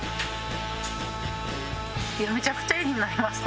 めちゃくちゃいい日になりました。